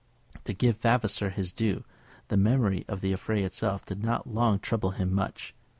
To give Vavasor his due, the memory of the affray itself did not long trouble him much.